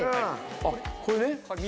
あっこれで？